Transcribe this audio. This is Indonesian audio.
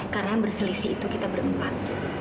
karena berselisih itu kita berempat